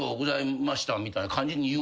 みたいな感じに言うのよね